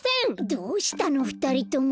どうしたのふたりとも。